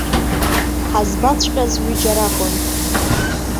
Ҳазбаҵәҟьаз ҩыџьа ракәын.